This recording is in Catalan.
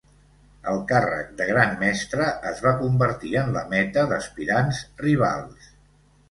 El càrrec de gran mestre es va convertir en la meta d'aspirants rivals.